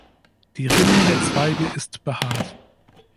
Die Rinde der Zweige ist behaart.